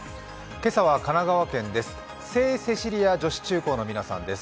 今朝は神奈川県です。